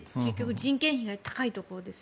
人件費が高いところですよね。